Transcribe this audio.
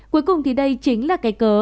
cuối cùng thì đây chính là cái cớ